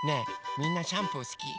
みんなシャンプーすき？